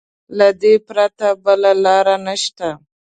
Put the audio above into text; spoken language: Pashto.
له دې پرته بله لاره نشته.